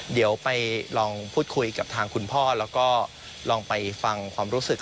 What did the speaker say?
เดี๋ยวไปลองพูดคุยกับทางคุณพ่อแล้วก็ลองไปฟังความรู้สึก